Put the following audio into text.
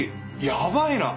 やばいな。